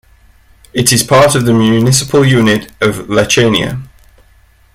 It is part of the municipal unit of Lechaina.